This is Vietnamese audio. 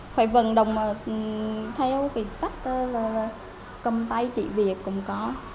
phải vận động theo cái cách cầm tay chỉ việc cũng có